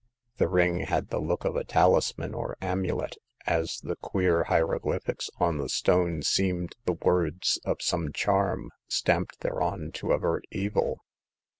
The ring had the look of a talis man or amulet, as the queer hieroglyphics on the stone seemed the words of some charm, stamped thereon to avert evil.